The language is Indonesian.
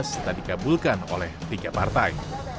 dua ribu delapan belas setelah dikabulkan oleh tiga partai